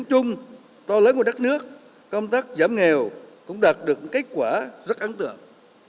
các nước công tác giảm nghèo cũng đạt được kết quả rất ấn tượng